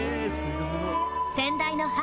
先代の母